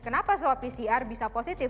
kenapa swab pcr bisa positif